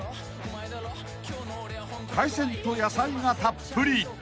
［海鮮と野菜がたっぷり］